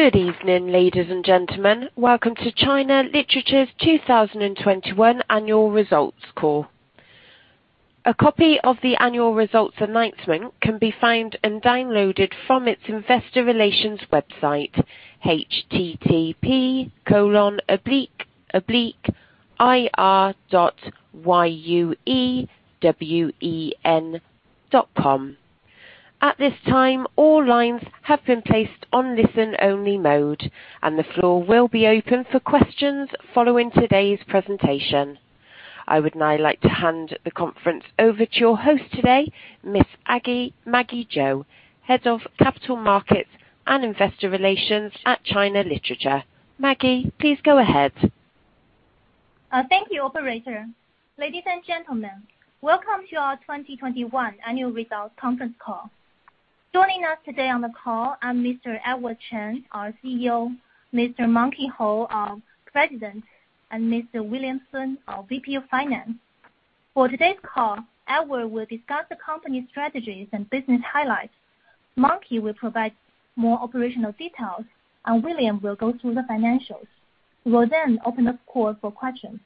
Good evening, ladies and gentlemen. Welcome to China Literature's 2021 annual results call. A copy of the annual results announcement can be found and downloaded from its investor relations website, http://ir.yuewen.com. At this time, all lines have been placed on listen-only mode, and the floor will be open for questions following today's presentation. I would now like to hand the conference over to your host today, Miss Maggie Zhou, Head of Capital Markets and Investor Relations at China Literature. Maggie, please go ahead. Thank you, operator. Ladies and gentlemen, welcome to our 2021 annual results conference call. Joining us today on the call are Mr. Cheng Wu, our CEO, Mr. Hou Xiaonan, our President, and Mr. William Sun, our VP of Finance. For today's call, Edward will discuss the company's strategies and business highlights. Monkey will provide more operational details, and William will go through the financials. We will then open the call for questions.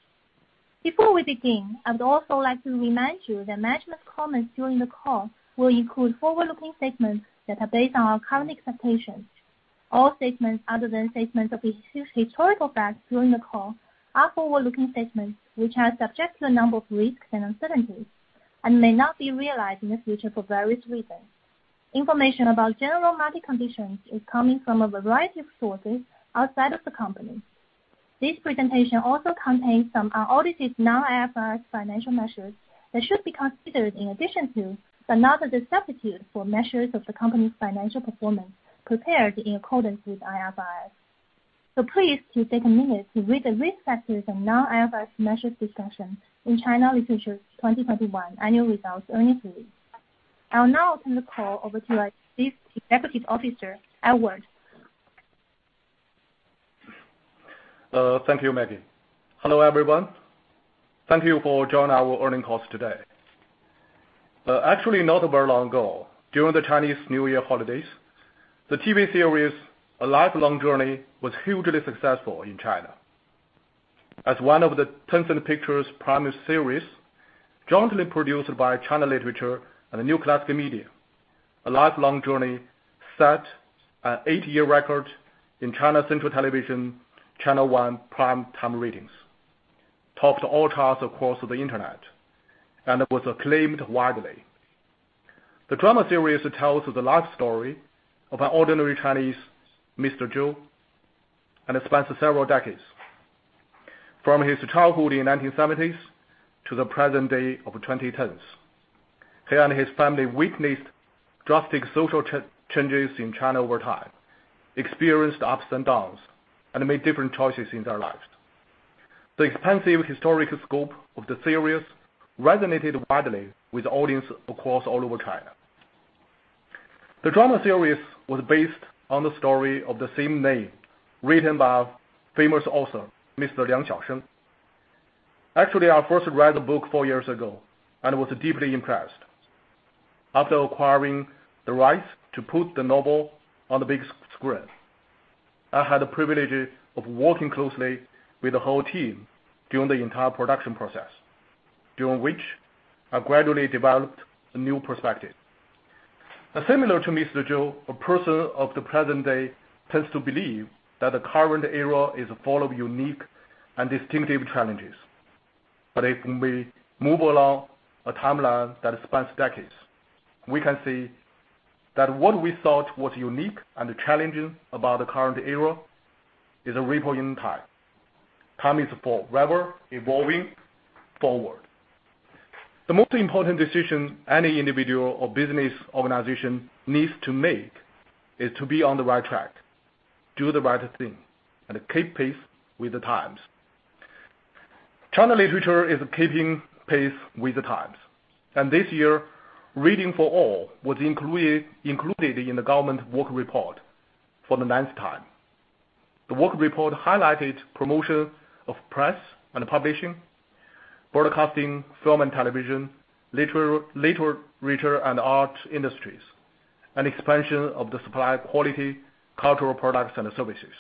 Before we begin, I would also like to remind you that management comments during the call will include forward-looking statements that are based on our current expectations. All statements other than statements of historical facts during the call are forward-looking statements which are subject to a number of risks and uncertainties and may not be realized in the future for various reasons. Information about general market conditions is coming from a variety of sources outside of the company. This presentation also contains some audited non-IFRS financial measures that should be considered in addition to, but not as a substitute for, measures of the company's financial performance prepared in accordance with IFRS. Please do take a minute to read the risk factors and non-IFRS measures discussion in China Literature's 2021 annual results earnings release. I'll now turn the call over to our Chief Executive Officer, Edward Chen. Thank you, Maggie. Hello, everyone. Thank you for joining our earnings call today. Actually, not very long ago, during the Chinese New Year holidays, the TV series A Lifelong Journey was hugely successful in China. As one of the Tencent Pictures' premium series, jointly produced by China Literature and New Classics Media, A Lifelong Journey set an eight-year record in China Central Television channel one prime-time ratings, topped all charts across the internet, and it was acclaimed widely. The drama series tells the life story of an ordinary Chinese, Mr. Zhou, and it spans several decades. From his childhood in 1970s to the present day of 2010s, he and his family witnessed drastic social changes in China over time, experienced ups and downs, and made different choices in their lives. The expansive historic scope of the series resonated widely with audience across all over China. The drama series was based on the story of the same name, written by a famous author, Mr. Liang Xiaosheng. Actually, I first read the book four years ago and was deeply impressed. After acquiring the rights to put the novel on the big screen, I had the privilege of working closely with the whole team during the entire production process, during which I gradually developed a new perspective. Similar to Mr. Zhou, a person of the present day tends to believe that the current era is full of unique and distinctive challenges. If we move along a timeline that spans decades, we can see that what we thought was unique and challenging about the current era is a ripple in time. Time is forever evolving forward. The most important decision any individual or business organization needs to make is to be on the right track, do the right thing, and keep pace with the times. China Literature is keeping pace with the times, and this year, Reading for All was included in the government work report for the ninth time. The work report highlighted promotion of press and publishing, broadcasting, film and television, literature and art industries, and expansion of the supply quality, cultural products, and services.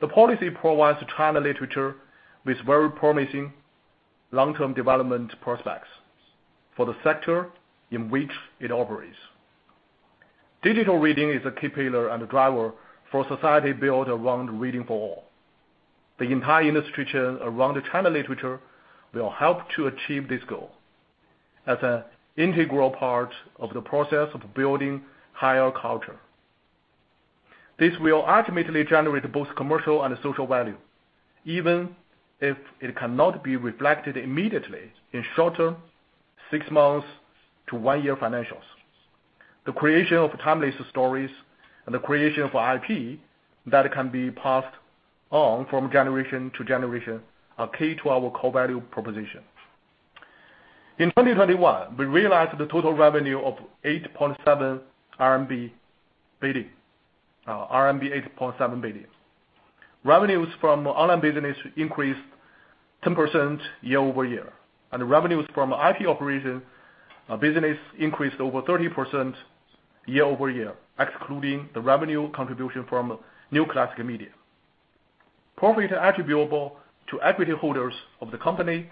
The policy provides China Literature with very promising long-term development prospects for the sector in which it operates. Digital reading is a key pillar and a driver for society built around Reading for All. The entire industry chain around the China Literature will help to achieve this goal as an integral part of the process of building higher culture. This will ultimately generate both commercial and social value, even if it cannot be reflected immediately in short-term, six months to one-year financials. The creation of timeless stories and the creation of IP that can be passed on from generation to generation are key to our core value proposition. In 2021, we realized total revenue of RMB 8.7 billion. Revenues from online business increased 10% year-over-year, and revenues from IP operation, business increased over 30% year-over-year, excluding the revenue contribution from New Classics Media. Profit attributable to equity holders of the company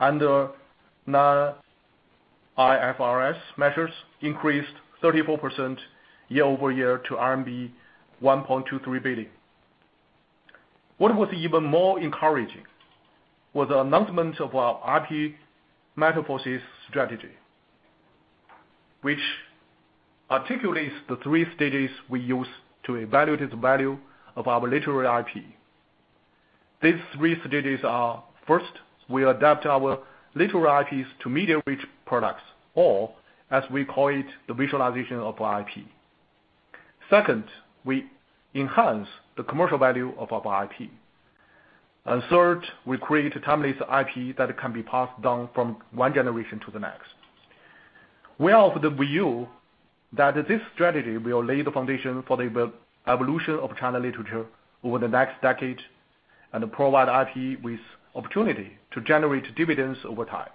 under non-IFRS measures increased 34% year-over-year to RMB 1.23 billion. What was even more encouraging was the announcement of our IP metamorphosis strategy, which articulates the three stages we use to evaluate the value of our literary IP. These three stages are. First, we adapt our literary IPs to media-rich products, or as we call it, the visualization of IP. Second, we enhance the commercial value of our IP. Third, we create timeless IP that can be passed down from one generation to the next. We are of the view that this strategy will lay the foundation for the evolution of China Literature over the next decade and provide IP with opportunity to generate dividends over time.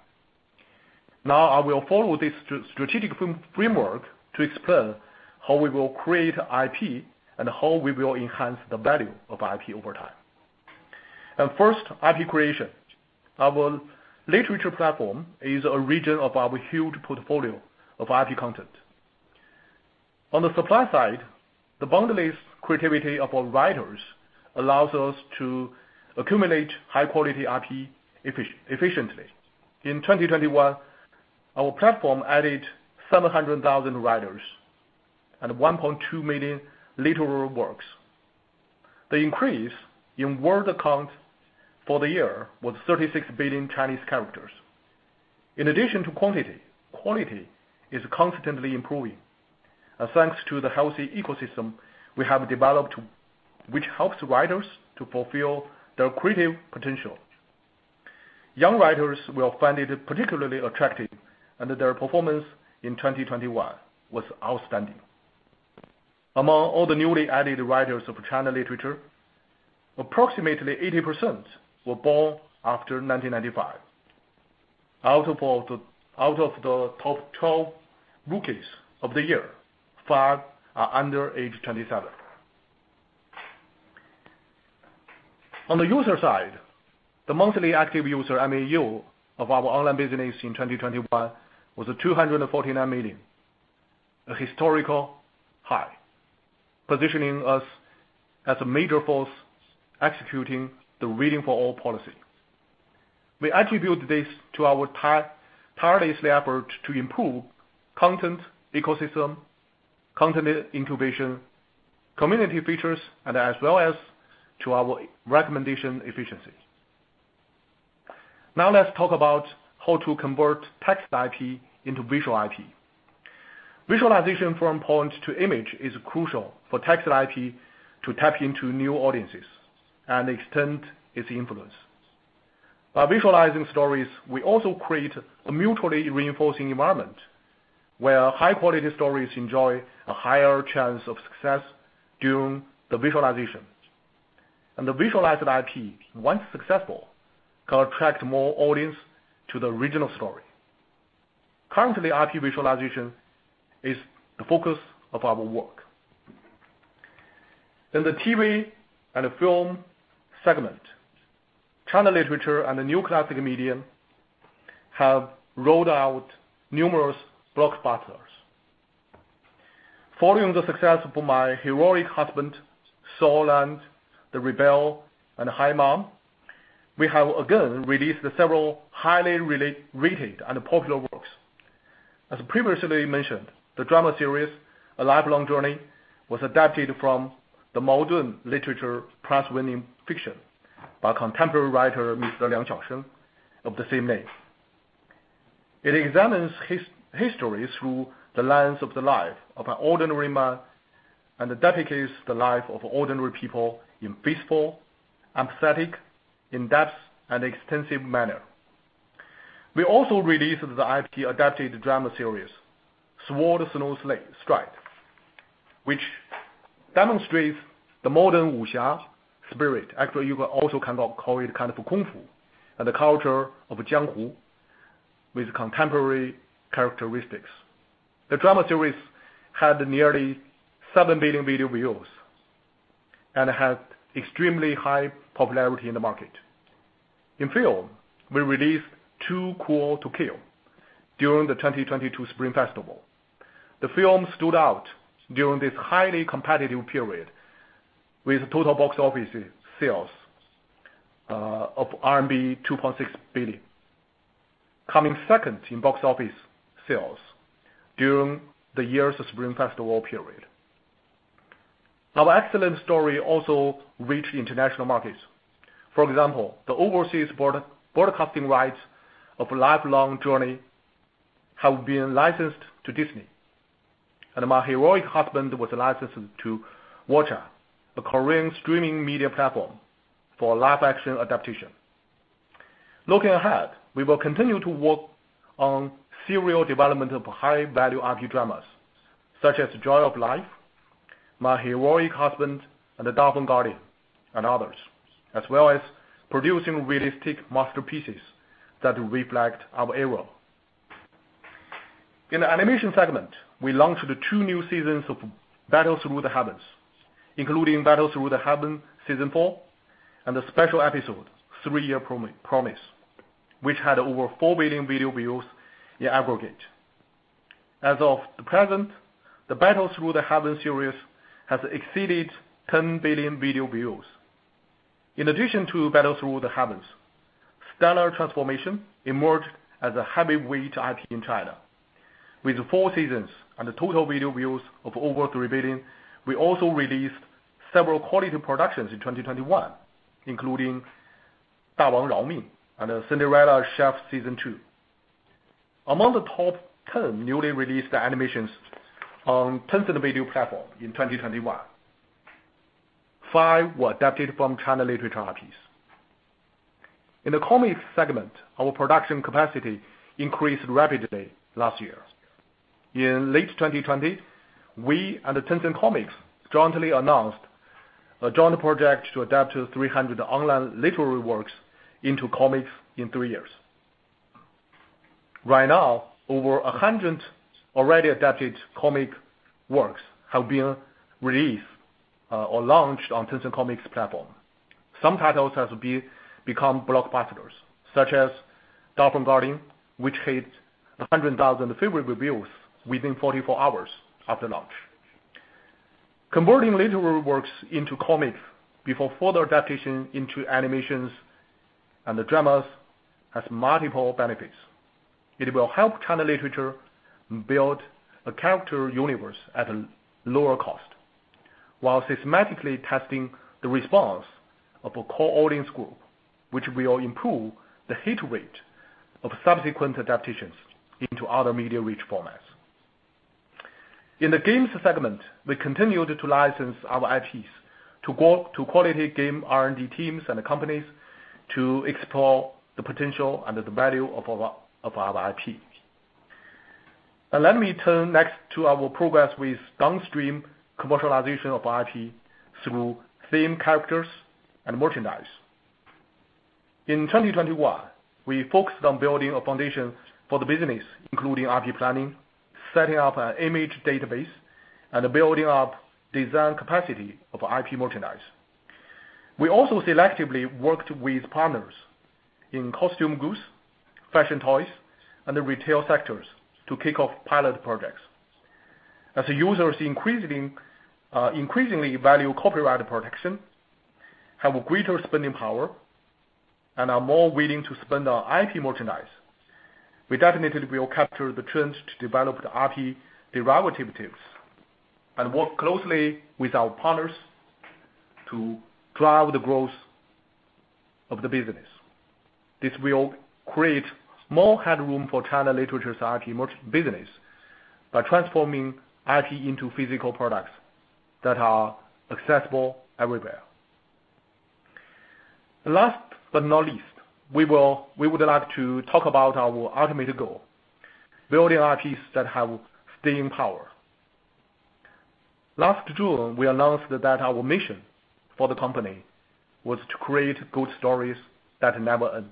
Now, I will follow this strategic framework to explain how we will create IP and how we will enhance the value of IP over time. First, IP creation. Our literature platform is the engine of our huge portfolio of IP content. On the supply side, the boundless creativity of our writers allows us to accumulate high-quality IP efficiently. In 2021, our platform added 700,000 writers and 1.2 million literary works. The increase in word count for the year was 36 billion Chinese characters. In addition to quantity, quality is constantly improving. Thanks to the healthy ecosystem we have developed, which helps writers to fulfill their creative potential. Young writers will find it particularly attractive, and their performance in 2021 was outstanding. Among all the newly added writers of China Literature, approximately 80% were born after 1995. Out of the top 12 rookies of the year, five are under age 27. On the user side, the monthly active user, MAU, of our online business in 2021 was 249 million, a historical high, positioning us as a major force executing the Reading for All policy. We attribute this to our tireless effort to improve content ecosystem, content incubation, community features, and as well as to our recommendation efficiency. Now let's talk about how to convert text IP into visual IP. Visualization from text to image is crucial for text IP to tap into new audiences and extend its influence. By visualizing stories, we also create a mutually reinforcing environment, where high-quality stories enjoy a higher chance of success during the visualization. The visualized IP, once successful, can attract more audience to the original story. Currently, IP visualization is the focus of our work. In the TV and film segment, China Literature and the New Classics Media have rolled out numerous blockbusters. Following the success of My Heroic Husband, Soul Land, The Rebel, and Hi, Mom, we have again released several highly well-rated and popular works. As previously mentioned, the drama series, A Lifelong Journey, was adapted from the modern literature prize-winning fiction by contemporary writer, Mr. Liang Xiaosheng, of the same name. It examines history through the lens of the life of an ordinary man and depicts the life of ordinary people in faithful, empathetic, in-depth, and extensive manner. We also released the IP adapted drama series, Sword Snow Stride, which demonstrates the modern wuxia spirit. Actually, you can also kind of call it a kung fu and the culture of Jianghu with contemporary characteristics. The drama series had nearly 7 billion video views and had extremely high popularity in the market. In film, we released Too Cool to Kill during the 2022 Spring Festival. The film stood out during this highly competitive period with total box office sales of RMB 2.6 billion, coming second in box office sales during the year's Spring Festival period. Our excellent story also reached international markets. For example, the overseas broadcasting rights of Lifelong Journey have been licensed to Disney. My Heroic Husband was licensed to Watcha, a Korean streaming media platform, for a live-action adaptation. Looking ahead, we will continue to work on serial development of high-value IP dramas, such as Joy of Life, My Heroic Husband, and The Dolphin Garden, and others, as well as producing realistic masterpieces that reflect our era. In the animation segment, we launched the 2 new seasons of Battle Through the Heavens, including Battle Through the Heavens Season Four and the special episode, Three-Year Agreement, which had over 4 billion video views in aggregate. As of the present, the Battle Through the Heavens series has exceeded 10 billion video views. In addition to Battle Through the Heavens, Stellar Transformation emerged as a heavyweight IP in China. With four seasons and the total video views of over 3 billion, we also released several quality productions in 2021, including Da Wang Rao Ming and Cinderella Chef Season Two. Among the top 10 newly released animations on Tencent Video platform in 2021, five were adapted from China Literature IPs. In the comics segment, our production capacity increased rapidly last year. In late 2020, we and Tencent Comics jointly announced a joint project to adapt 300 online literary works into comics in three years. Right now, over 100 already adapted comic works have been released or launched on Tencent Comics platform. Some titles have become blockbusters, such as Dolphin Garden, which hit 100,000 favorite reviews within 44 hours after launch. Converting literary works into comics before further adaptation into animations and dramas has multiple benefits. It will help China Literature build a character universe at a lower cost, while systematically testing the response of a core audience group, which will improve the hit rate of subsequent adaptations into other media formats. In the games segment, we continued to license our IPs to quality game R&D teams and companies to explore the potential and the value of our IPs. Let me turn next to our progress with downstream commercialization of IP through theme characters and merchandise. In 2021, we focused on building a foundation for the business, including IP planning, setting up an image database, and building up design capacity of IP merchandise. We also selectively worked with partners in costume goods, fashion toys, and the retail sectors to kick off pilot projects. As users increasingly value copyright protection, have a greater spending power, and are more willing to spend on IP merchandise, we definitely will capture the trends to develop the IP derivatives and work closely with our partners to drive the growth of the business. This will create more headroom for China Literature's IP merch business by transforming IP into physical products that are accessible everywhere. Last but not least, we would like to talk about our ultimate goal, building IPs that have staying power. Last June, we announced that our mission for the company was to create good stories that never end.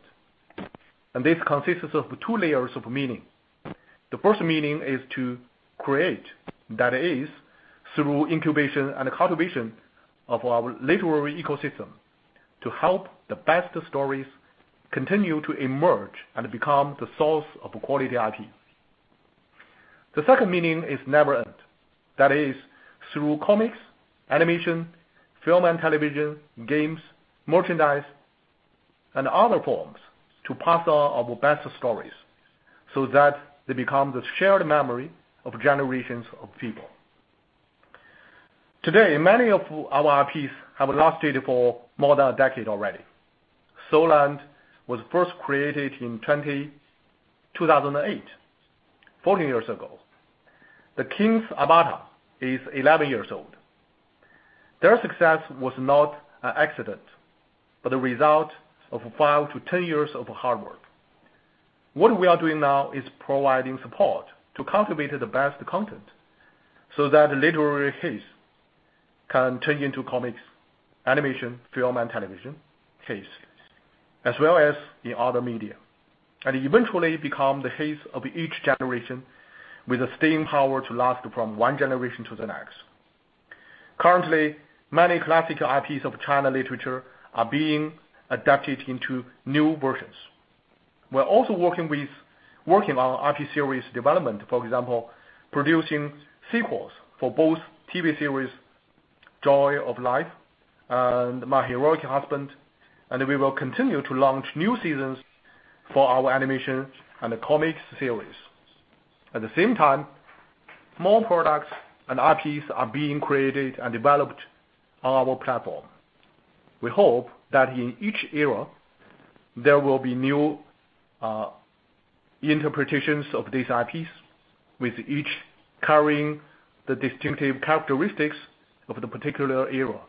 This consists of two layers of meaning. The first meaning is to create, that is, through incubation and cultivation of our literary ecosystem, to help the best stories continue to emerge and become the source of quality IPs. The second meaning is never end. That is, through comics, animation, film and television, games, merchandise, and other forms to pass on our best stories so that they become the shared memory of generations of people. Today, many of our IPs have lasted for more than a decade already. Soul Land was first created in 2008, 14 years ago. The King's Avatar is 11 years old. Their success was not an accident, but a result of 5-10 years of hard work. What we are doing now is providing support to cultivate the best content so that literary hits can turn into comics, animation, film and television hits, as well as in other media, and eventually become the hits of each generation with the staying power to last from one generation to the next. Currently, many classical IPs of China Literature are being adapted into new versions. We're also working on IP series development, for example, producing sequels for both TV series, Joy of Life and My Heroic Husband, and we will continue to launch new seasons for our animation and comics series. At the same time, more products and IPs are being created and developed on our platform. We hope that in each era, there will be new interpretations of these IPs, with each carrying the distinctive characteristics of the particular era.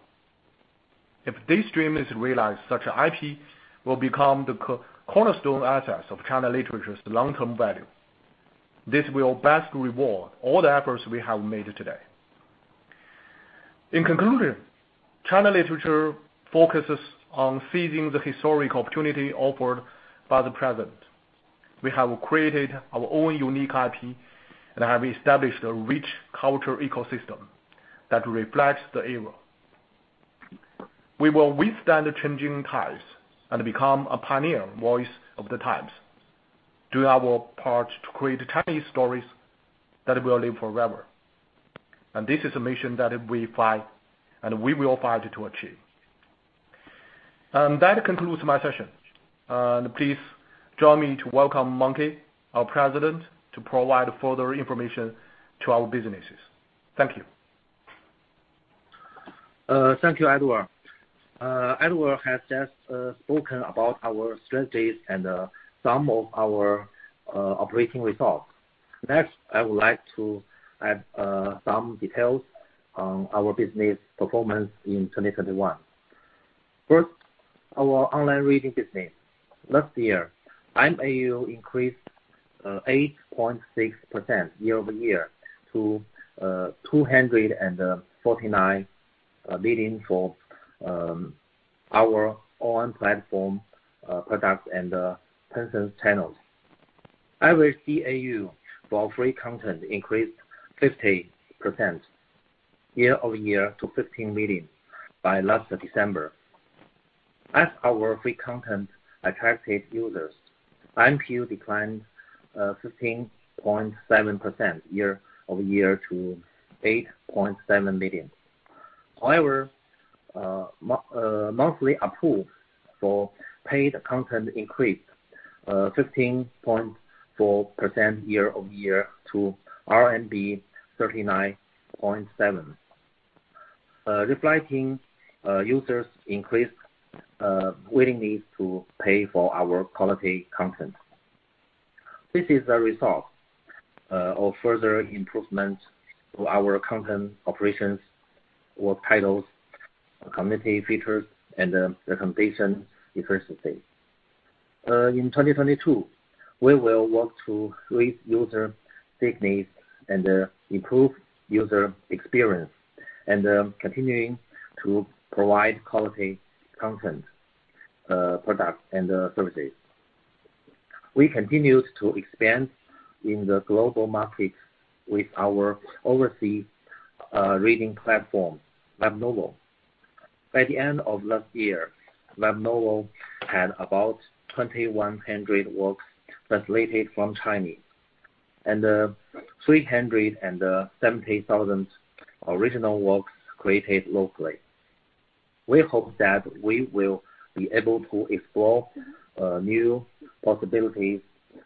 If this dream is realized, such IP will become the core cornerstone assets of China Literature's long-term value. This will best reward all the efforts we have made today. In conclusion, China Literature focuses on seizing the historic opportunity offered by the present. We have created our own unique IP, and have established a rich cultural ecosystem that reflects the era. We will withstand the changing tides and become a pioneer voice of the times, do our part to create Chinese stories that will live forever. This is a mission that we fight, and we will fight to achieve. That concludes my session. Please join me to welcome Monkey, our president, to provide further information to our businesses. Thank you. Thank you, Edward. Edward has just spoken about our strategies and some of our operating results. Next, I would like to add some details on our business performance in 2021. First, our online reading business. Last year, MAU increased 8.6% year-over-year to 249 million for our own platform products and Tencent channels. Average DAU for free content increased 50% year-over-year to 15 million by last December. As our free content attracted users, MAU declined 15.7% year-over-year to 8.7 million. However, monthly ARPU for paid content increased 15.4% year-over-year to RMB 39.7. Reflecting users increased willingness to pay for our quality content. This is a result of further improvements to our content operations or titles, community features and recommendation diversity. In 2022, we will work to create user stickiness and improve user experience and continuing to provide quality content, products and services. We continue to expand in the global markets with our overseas reading platform, Webnovel. By the end of last year, Webnovel had about 2,100 works translated from Chinese, and 370,000 original works created locally. We hope that we will be able to explore new possibilities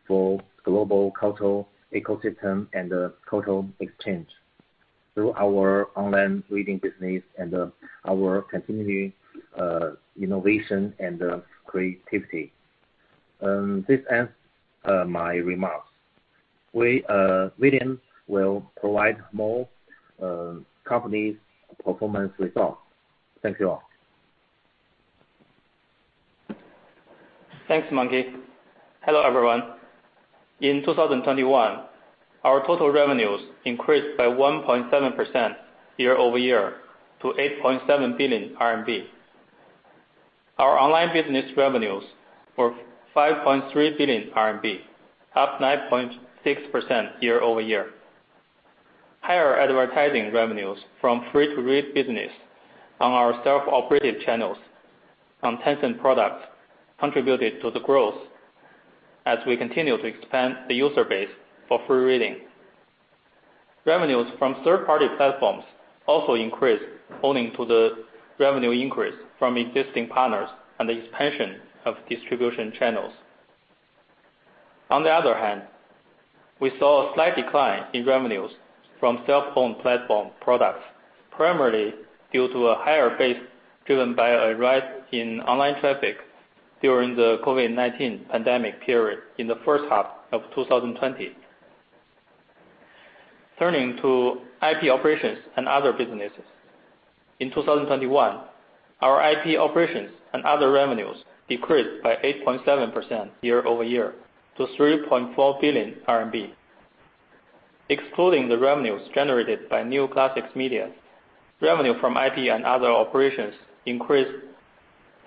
for global cultural ecosystem and cultural exchange through our online reading business and our continuing innovation and creativity. This ends my remarks. William will provide more on the company's performance results. Thank you all. Thanks, Monkey. Hello, everyone. In 2021, our total revenues increased by 1.7% year-over-year to 8.7 billion RMB. Our online business revenues were 5.3 billion RMB, up 9.6% year-over-year. Higher advertising revenues from free-to-read business on our self-operated channels from Tencent products contributed to the growth as we continue to expand the user base for free reading. Revenues from third-party platforms also increased owing to the revenue increase from existing partners and the expansion of distribution channels. On the other hand, we saw a slight decline in revenues from cell phone platform products, primarily due to a higher base driven by a rise in online traffic during the COVID-19 pandemic period in the first half of 2020. Turning to IP operations and other businesses. In 2021, our IP operations and other revenues decreased by 8.7% year-over-year to 3.4 billion RMB. Excluding the revenues generated by New Classics Media, revenue from IP and other operations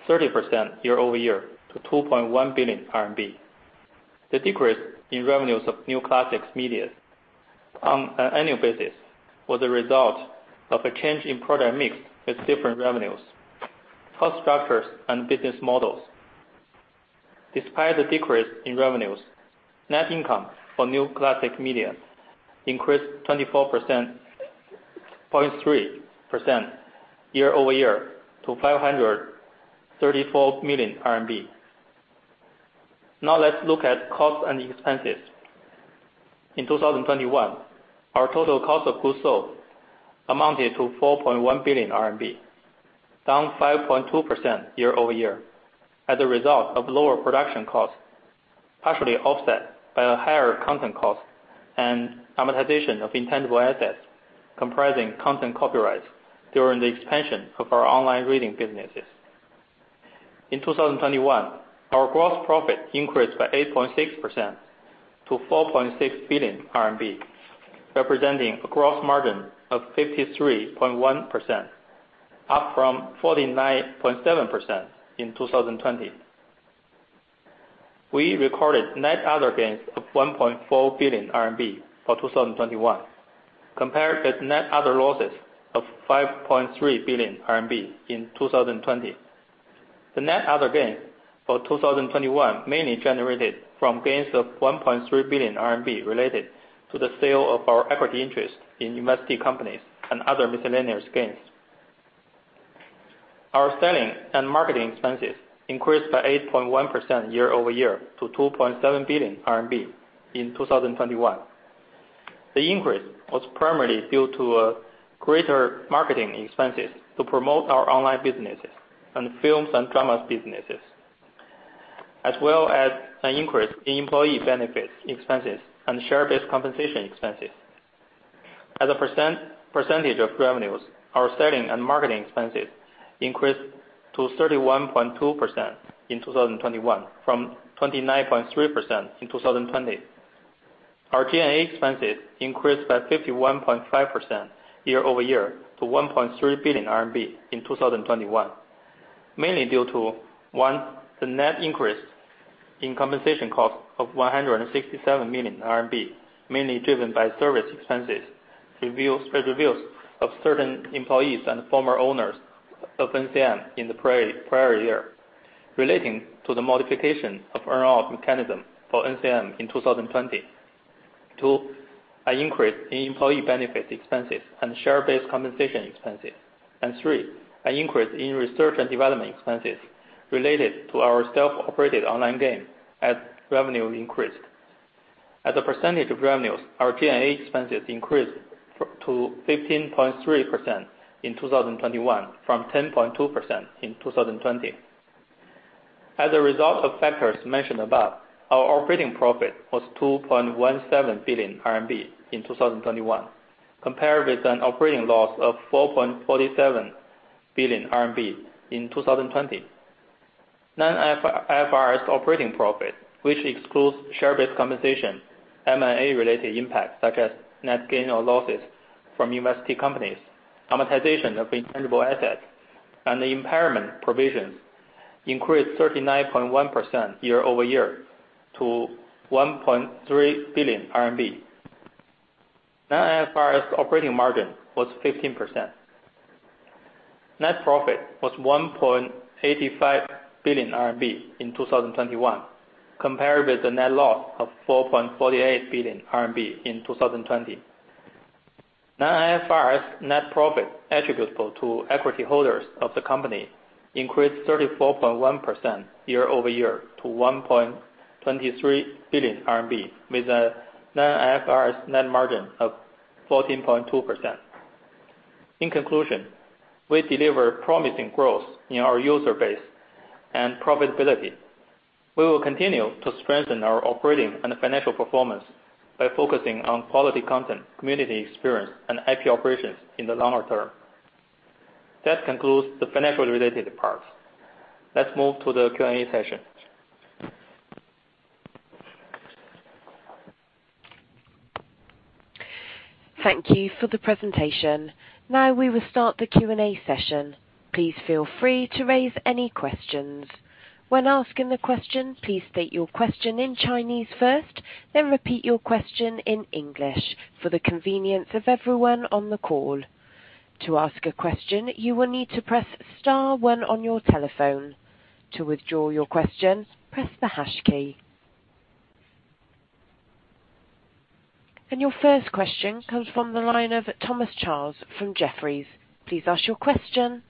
increased 30% year-over-year to 2.1 billion RMB. The decrease in revenues of New Classics Media on an annual basis was a result of a change in product mix with different revenues, cost structures and business models. Despite the decrease in revenues, net income for New Classics Media increased 24.3% year-over-year to RMB 534 million. Now let's look at costs and expenses. In 2021, our total cost of goods sold amounted to RMB 4.1 billion, down 5.2% year-over-year as a result of lower production costs, partially offset by a higher content cost and amortization of intangible assets comprising content copyrights during the expansion of our online reading businesses. In 2021, our gross profit increased by 8.6% to 4.6 billion RMB, representing a gross margin of 53.1%, up from 49.7% in 2020. We recorded net other gains of 1.4 billion RMB for 2021 compared with net other losses of 5.3 billion RMB in 2020. The net other gain for 2021 mainly generated from gains of 1.3 billion RMB related to the sale of our equity interest in investee companies and other miscellaneous gains. Our selling and marketing expenses increased by 8.1% year-over-year to 2.7 billion RMB in 2021. The increase was primarily due to greater marketing expenses to promote our online businesses and films and dramas businesses, as well as an increase in employee benefits expenses and share-based compensation expenses. As a percentage of revenues, our selling and marketing expenses increased to 31.2% in 2021 from 29.3% in 2020. Our G&A expenses increased by 51.5% year-over-year to 1.3 billion RMB in 2021. Mainly due to one, the net increase in compensation cost of 167 million RMB, mainly driven by service expenses, retro reviews of certain employees and former owners of NCM in the prior year relating to the modification of earn-out mechanism for NCM in 2020. Two, an increase in employee benefits expenses and share-based compensation expenses. Three, an increase in research and development expenses related to our self-operated online game as revenue increased. As a percentage of revenues, our G&A expenses increased to 15.3% in 2021 from 10.2% in 2020. As a result of factors mentioned above, our operating profit was 2.17 billion RMB in 2021 compared with an operating loss of RMB 4.47 billion in 2020. non-IFRS operating profit, which excludes share-based compensation, M&A related impacts such as net gain or losses from investee companies, amortization of intangible assets, and the impairment provisions increased 39.1% year-over-year to RMB 1.3 billion. non-IFRS operating margin was 15%. Net profit was 1.85 billion RMB in 2021, compared with the net loss of 4.48 billion RMB in 2020. non-IFRS net profit attributable to equity holders of the company increased 34.1% year-over-year to 1.23 billion RMB with a non-IFRS net margin of 14.2%. In conclusion, we deliver promising growth in our user base and profitability. We will continue to strengthen our operating and financial performance by focusing on quality content, community experience, and IP operations in the longer term. That concludes the financial related parts. Let's move to the Q&A session. Thank you for the presentation. Now we will start the Q&A session. Please feel free to raise any questions. When asking the question, please state your question in Chinese first, then repeat your question in English for the convenience of everyone on the call. To ask a question, you will need to press star one on your telephone. To withdraw your question, press the hash key. Your first question comes from the line of Thomas Chong from Jefferies. Please ask your question.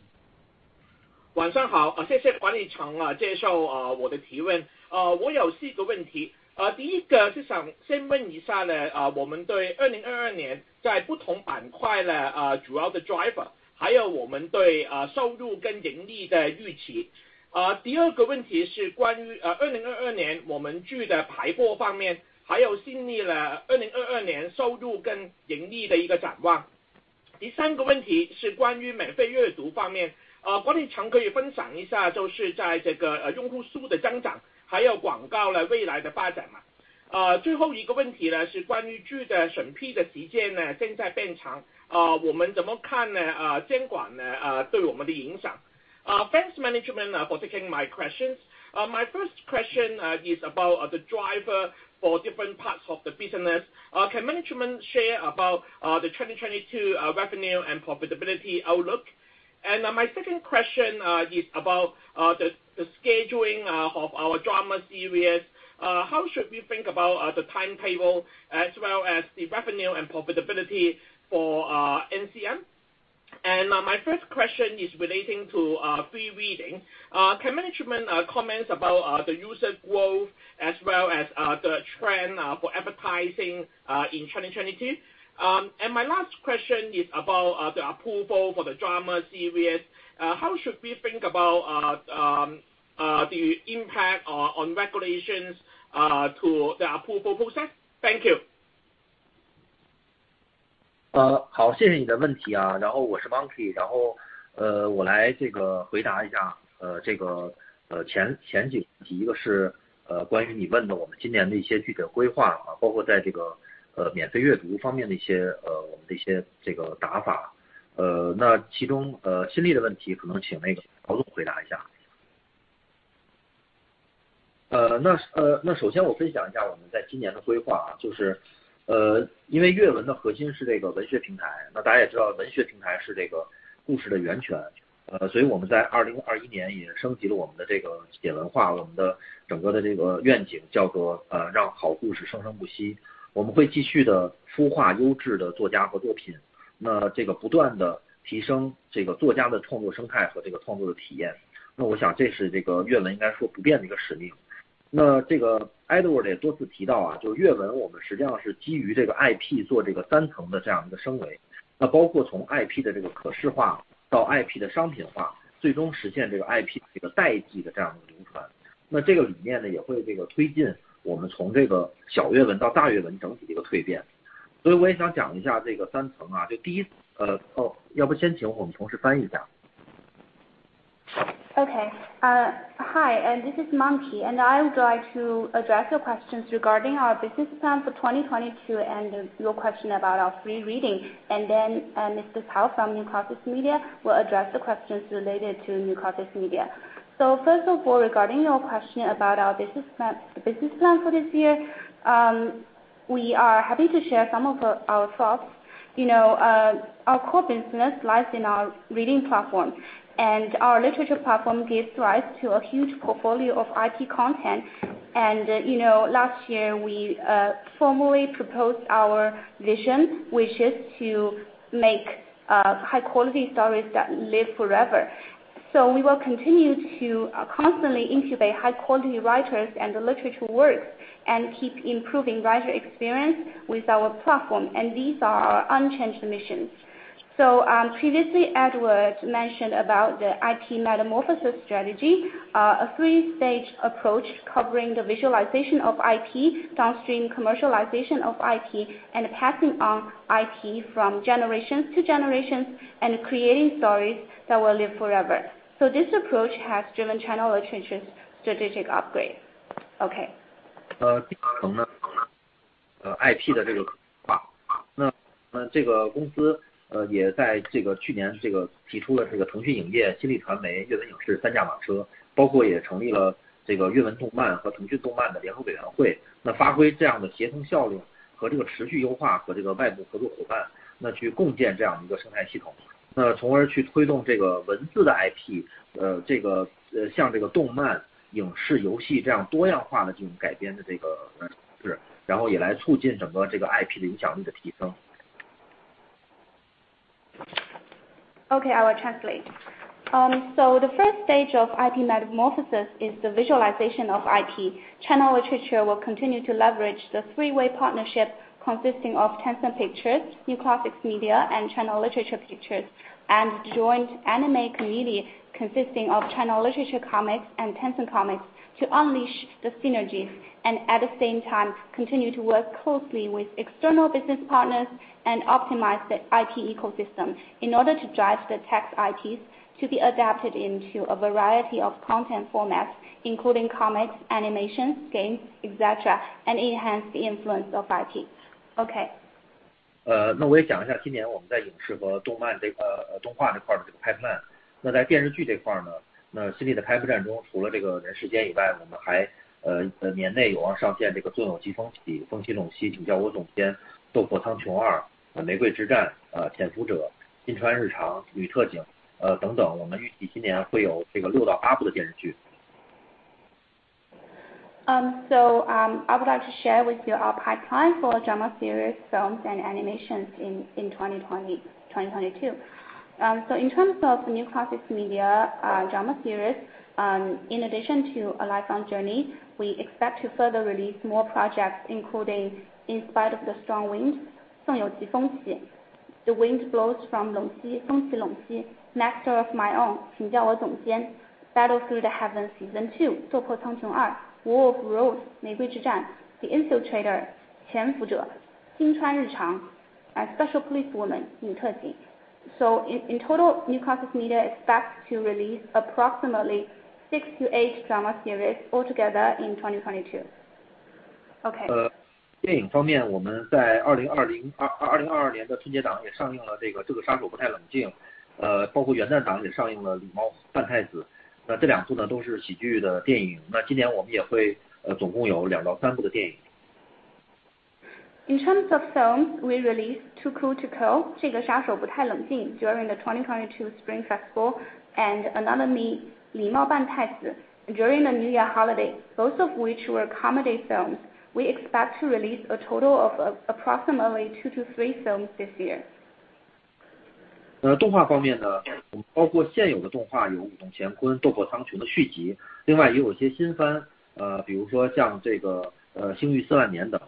Thanks, management, for taking my questions. My first question is about the driver for different parts of the business. Can management share about the 2022 revenue and profitability outlook? My second question is about the scheduling of our drama series. How should we think about the timetable as well as the revenue and profitability for NCM? My first question is relating to our free reading. Can management comment about the user growth as well as the trend for advertising in China. My last question is about the approval for the drama series. How should we think about the impact of regulations on the approval process? Thank you. Okay, hi, and this is Monkey, and I would like to address your questions regarding our business plan for 2022 and your question about our free reading. Mr. Cao from New Classics Media will address the questions related to New Classics Media. First of all, regarding your question about our business plan for this year, we are happy to share some of our thoughts. You know, our core business lies in our reading platform, and our literature platform gives rise to a huge portfolio of IP content. You know, last year we formally proposed our vision, which is to make high quality stories that live forever. We will continue to constantly incubate high quality writers and literature works and keep improving writer experience with our platform. These are our unchanged missions. Previously, Edward Chen mentioned about the IP metamorphosis strategy, a three stage approach covering the visualization of IP, downstream commercialization of IP, and passing on IP from generations to generations and creating stories that will live forever. This approach has driven China Literature's strategic upgrade. Okay. Okay, I will translate. The first stage of IP metamorphosis is the visualization of IP. China Literature will continue to leverage the three-way partnership consisting of Tencent Pictures, New Classics Media and Tencent Penguin Pictures, and joint anime community consisting of China Literature Comics and Tencent Comics to unleash the synergies, and at the same time continue to work closely with external business partners and optimize the IP ecosystem in order to drive the text IPs to be adapted into a variety of content formats, including comics, animations, games, etc., and enhance the influence of IP. Okay. 那我也讲一下今年我们在影视和动漫这块、动画这块的这个pipeline。那在电视剧这块呢，新丽的开赴战中，除了这个人世间以外，我们还年内有望上线这个纵有疾风起、风起陇西、请叫我总监、斗破苍穹2、玫瑰之战、潜伏者、锦川日常、女特警等等。我们预计今年会有这个六到八部的电视剧。I would like to share with you our pipeline for drama series, films and animations in 2021, 2022. In terms of New Classics Media, drama series, in addition to A Lifelong Journey, we expect to further release more projects including In Spite of the Strong Winds, 纵有疾风起, The Wind Blows from Longxi, 风起陇西, Master of My Own, 请叫我总监, Battle Through the Heavens Season 2, 斗破苍穹2, War of Roses, 玫瑰之战, The Infiltrator, 潜伏者, 锦川日常, and Special Police Woman, 女特警. In total, New Classics Media expects to release approximately six to eight drama series altogether in 2022. 电影方面，我们在2022年的春节档也上映了这个杀手不太冷静，包括元旦档也上映了狸猫换太子。那这两部呢，都是喜剧的电影，那今年我们也会总共有两到三部的电影。In terms of films, we released Too Cool to Kill, 这个杀手不太冷静 during the 2022 Spring Festival, and Another Me, 狸猫换太子 during the New Year holiday, both of which were comedy films. We expect to release a total of approximately two to three films this year. 动画方面，我们包括现有的动画有武动乾坤、斗破苍穹的续集，另外也有一些新番，比如说像这个修真四万年等。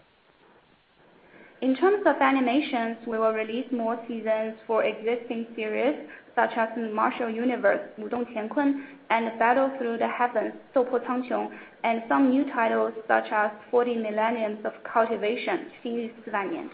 In terms of animations, we will release more seasons for existing series such as Martial Universe 武动乾坤, and Battle Through the Heavens 斗破苍穹, and some new titles such as Forty Millenniums of Cultivation 修真四万年.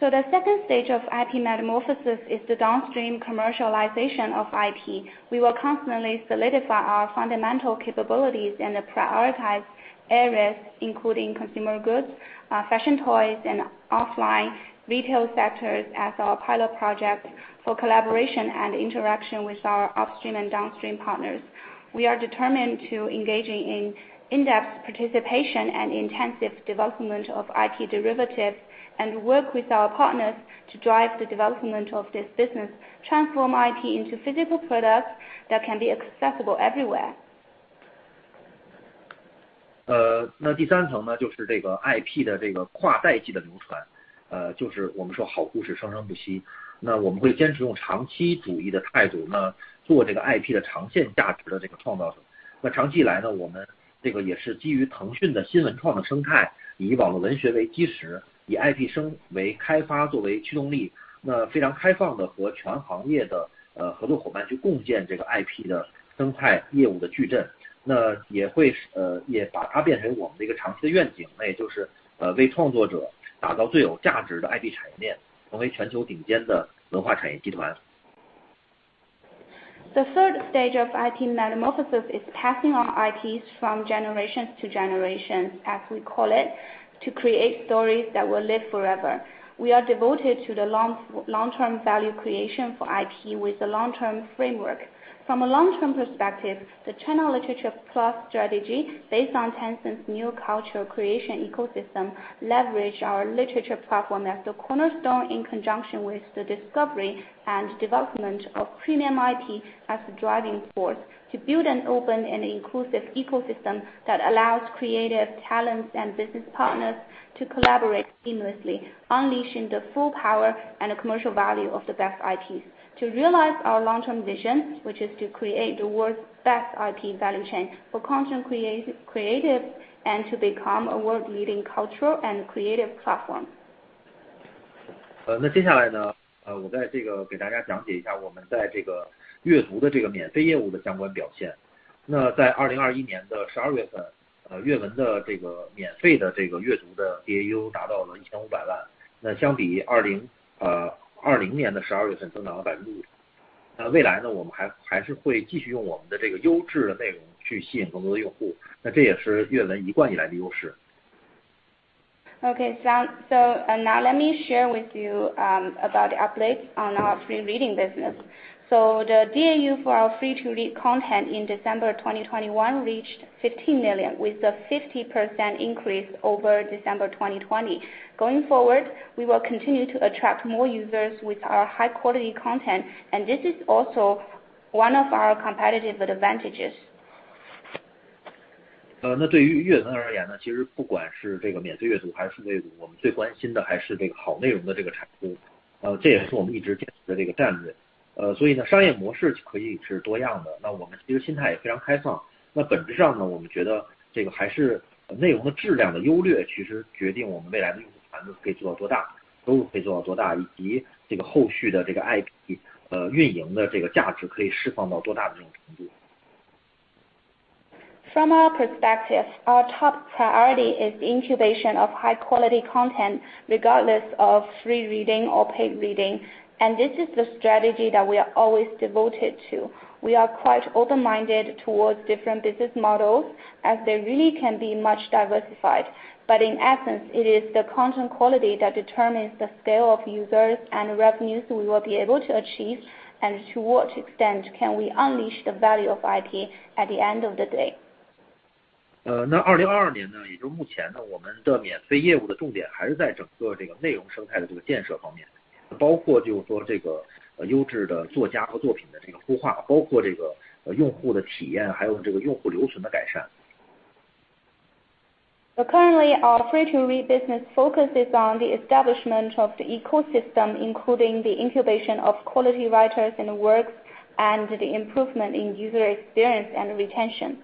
The second stage of IP metamorphosis is the downstream commercialization of IP. We will constantly solidify our fundamental capabilities in the prioritized areas, including consumer goods, fashion, toys and offline retail sectors as our pilot project for collaboration and interaction with our upstream and downstream partners. We are determined to engage in in-depth participation and intensive development of IP derivatives and work with our partners to drive the development of this business. Transform IP into physical products that can be accessible everywhere. 那第三层呢，就是这个IP的跨代际的流传，就是我们说好故事生生不息，那我们会坚持用长期主义的态度呢，做这个IP的长线价值的创造。那长期来呢，我们这个也是基于腾讯的新文创的生态，以网络文学为基石，以IP生态开发作为驱动力，那非常开放地和全行业的合作伙伴去共建这个IP的生态业务的矩阵，那也会把它变成我们的一个长期的愿景，那就是为创作者打造最有价值的IP产业链，成为全球顶尖的文化产业集团。The third stage of IP metamorphosis is passing on IPs from generations to generations, as we call it, to create stories that will live forever. We are devoted to the long-term value creation for IP with the long-term framework. From a long-term perspective, the China Literature Plus strategy based on Tencent's new cultural creation ecosystem, leverage our literature platform as the cornerstone in conjunction with the discovery and development of premium IP as the driving force to build an open and inclusive ecosystem that allows creative talents and business partners to collaborate seamlessly, unleashing the full power and commercial value of the best IPs. To realize our long-term vision, which is to create the world's best IP value chain for constant creative and to become a world-leading cultural and creative platform. 接下来，我再给大家讲解一下我们在阅读的免费业务的相关表现。在2021年的12月份，阅文的免费阅读的DAU达到了1,500万，相比2020年的12月份增长了50%。未来，我们还是会继续用我们的优质内容去吸引更多的用户，这也是阅文一贯以来的优势。Now let me share with you about the updates on our free reading business. The DAU for our free to read content in December 2021 reached 15 million, with a 50% increase over December 2020. Going forward, we will continue to attract more users with our high quality content and this is also one of our competitive advantages. 对于阅文而言，其实不管是这个免费阅读还是付费，我们最关心的还是这个好内容的产出，这也是我们一直坚持的战略。所以，商业模式可以是多样的，我们其实心态也非常开放。本质上，我们觉得这个还是内容和质量的优劣，其实决定我们未来的用户规模可以做到多大，收入可以做到多大，以及后续的IP运营的价值可以释放到多大的程度。From our perspective, our top priority is the incubation of high-quality content, regardless of free reading or paid reading. This is the strategy that we are always devoted to. We are quite open-minded towards different business models as they really can be much diversified. In essence, it is the content quality that determines the scale of users and revenues we will be able to achieve. To what extent can we unleash the value of IP at the end of the day? 2022年，也就是目前，我们的免费业务的重点还是在整个这个内容生态的建设方面，包括就是说这个优质的作家和作品的孵化，包括这个用户的体验，还有这个用户留存的改善。Currently, our free to read business focuses on the establishment of the ecosystem, including the incubation of quality writers and works, and the improvement in user experience and retention.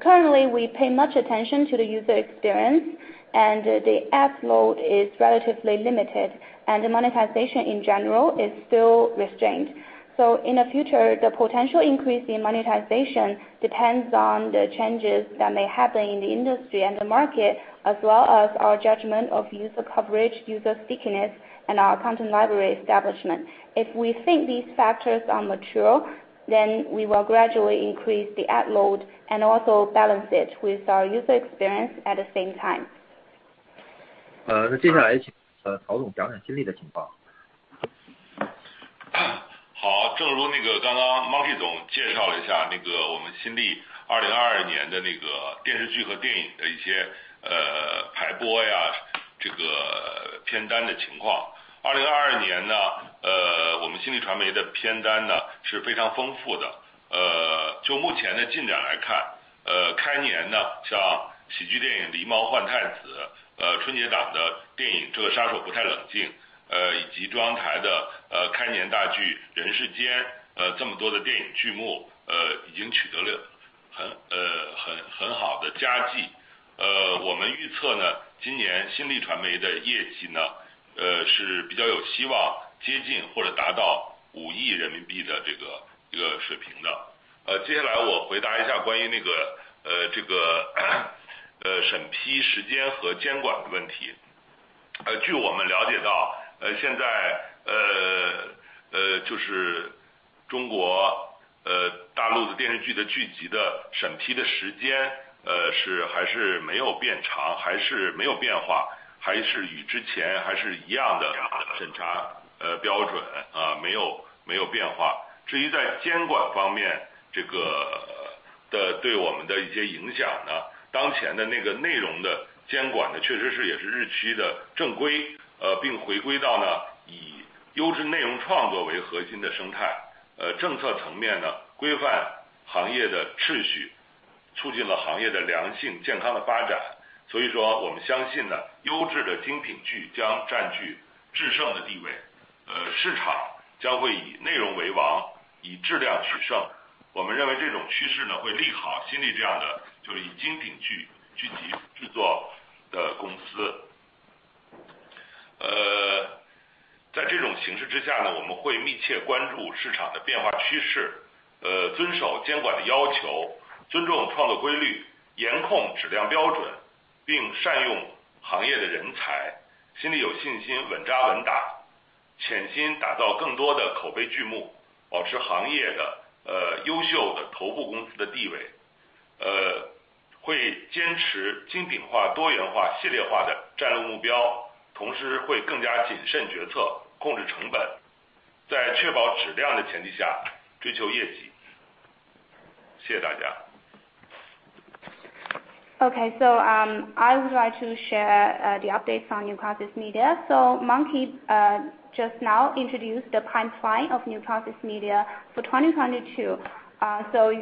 Currently, we pay much attention to the user experience and the app load is relatively limited and the monetization in general is still restrained. In the future, the potential increase in monetization depends on the changes that may happen in the industry and the market, as well as our judgment of user coverage, user stickiness and our content library establishment. If we think these factors are mature, then we will gradually increase the ad load and also balance it with our user experience at the same time. 接下来请曹总讲讲新丽的情况。正如刚刚 Monkey 总介绍了一下我们新丽 2022 年的电视剧和电影的排播、片单的情况。2022 年，我们新丽传媒的片单是非常丰富的。就目前的进展来看，开年像喜剧电影《狸猫换太子》、春节档的电影《这个杀手不太冷静》，以及中央台的开年大剧《人世间》，这么多的电影剧目已经取得了很好的佳绩。我们预测今年新丽传媒的业绩是比较有希望接近或者达到五亿人民币的这个水平的。接下来我回答一下关于审批时间和监管的问题。据我们了解到，现在中国大陆的电视剧剧集的审批时间，还是没有变长，还是没有变化，还是与之前一样的审查标准，没有变化。至于在监管方面对我们的一些影响，当前的内容监管确实也是日趋正规，并回归到以优质内容创作为核心的生态。政策层面规范行业的秩序，促进了行业的良性健康的发展。所以我们相信优质的精品剧将占据制胜的地位，市场将会以内容为王，以质量取胜。我们认为这种趋势会利好新丽这样的以精品剧剧集制作的公司。在这种形势之下，我们会密切关注市场的变化趋势，遵守监管的要求，尊重创作规律，严控质量标准，并善用行业的人才。新丽有信心稳扎稳打，潜心打造更多的口碑剧目，保持行业优秀的头部公司的地位，会坚持精品化、多元化、系列化的战略目标，同时会更加谨慎决策，控制成本，在确保质量的前提下追求业绩。谢谢大家。Okay, I would like to share the updates on New Classics Media. Monkey just now introduced the pipeline of New Classics Media for 2022. So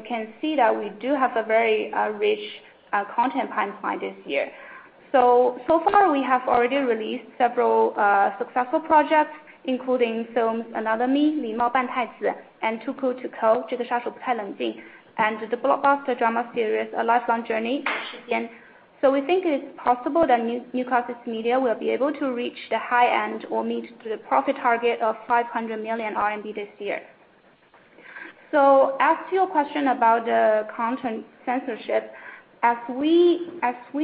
far we have already released several successful projects, including films, Another Me, 狸猫换太子, and Too Cool to Kill, 这个杀手不太冷静, and the blockbuster drama series, A Lifelong Journey, 人世间. We think it is possible that New Classics Media will be able to reach the high end or meet the profit target of 500 million RMB this year. As to your question about the content censorship. As we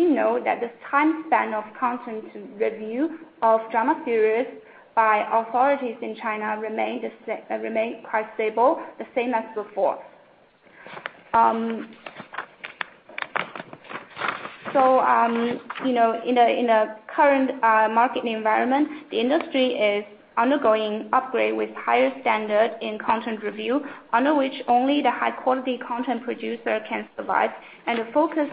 know that the time span of content review of drama series by authorities in China remain quite stable, the same as before. You know, in a current market environment, the industry is undergoing upgrade with higher standard in content review, under which only the high quality content producer can survive. The focus